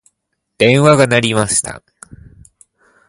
電話が鳴りました。